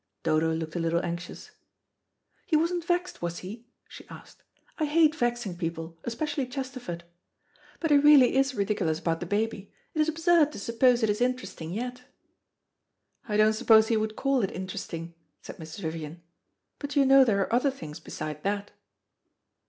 Dodo looked a little anxious. "He wasn't vexed, was he?" she asked. "I hate vexing people, especially Chesterford. But he really is ridiculous about the baby. It is absurd to suppose it is interesting yet." "I don't suppose he would call it interesting," said Mrs. Vivian. "But you know there are other things beside that."